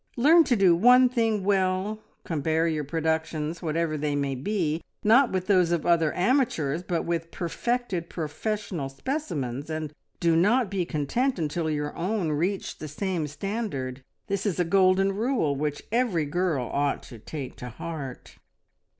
Learn to do one thing well, compare your productions, whatever they may be, not with those of other amateurs, but with perfected professional specimens, and do not be content until your own reach the same standard. This is a golden rule, which every girl ought to take to heart.